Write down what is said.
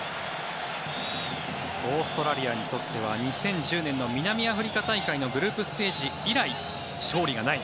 オーストラリアにとっては２０１０年の南アフリカ大会のグループステージ以来勝利がない。